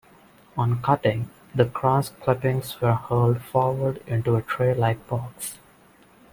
On cutting, the grass clippings were hurled forward into a tray like box.